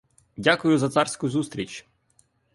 Дякую за царську зустріч!